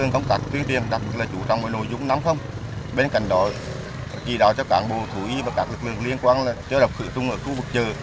công tác tuyên tiên đặc biệt là chủ trong nội dung năm phong bên cạnh đó chỉ đạo cho cảng bộ thủ y và các lực lượng liên quan là chế độc sự tung ở khu vực trời